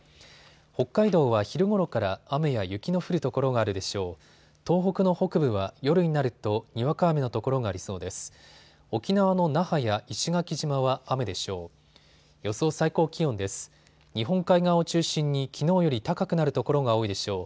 北海道は昼ごろから雨や雪の降る所があるでしょう。